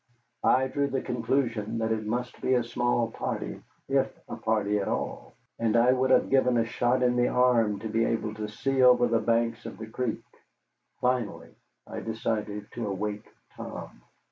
I drew the conclusion that it must be a small party if a party at all. And I would have given a shot in the arm to be able to see over the banks of the creek. Finally I decided to awake Tom.